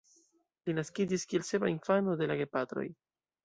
Li naskiĝis kiel sepa infano de la gepatroj.